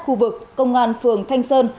khu vực công an phường thanh sơn